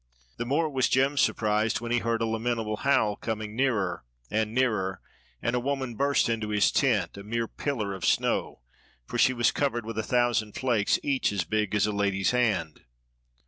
The more was Jem surprised when he heard a lamentable howl coming nearer and nearer, and a woman burst into his tent, a mere pillar of snow, for she was covered with a thousand flakes each as big as a lady's hand.